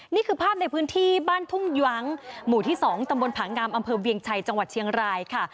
นี่คือภาพในพื้นที่บ้านทุ่งยั้งหมู่ที่๒ตำบลผางามอำเภอเวียงชัยจังหวัดเชียงรายค่ะ